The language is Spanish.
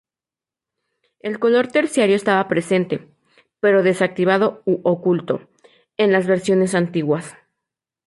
El color terciario estaba presente, pero desactivado u oculto, en las versiones antiguas.